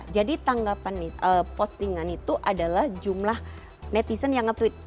jadi tanggapan postingan itu adalah jumlah netizen yang nge tweet